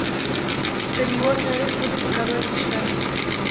د میوو سړې خونې په کابل کې شته.